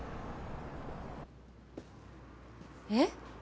えっ！？